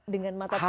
dengan mata pelajar